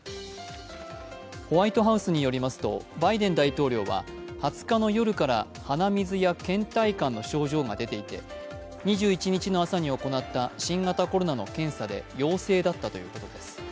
ホワイトハウスによりますと、バイデン大統領は２０日の夜から鼻水やけん怠感の症状が出ていて２１日の朝に行った新型コロナの検査で陽性だったということです。